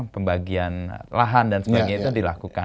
pembagian lahan dan sebagainya itu dilakukan